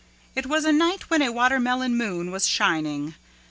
It was a night when a Watermelon Moon was shining.